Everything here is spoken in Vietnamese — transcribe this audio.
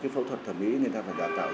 phẫu thuật thẩm mỹ người ta phải đào tạo